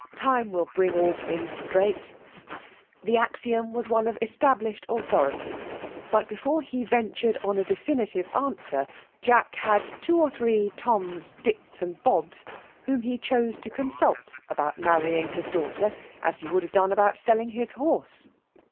Time will bring all fiiiiLgs straight.*^ '* The axiom was one of established authority ; huthcforelie vetitured on a definitive ansT^er, Jack had two oft three Toms, Dicks, and Bobo^ tf^hbni he chose to consult about marrying his danghter, as he would have done about seUing Ms horse.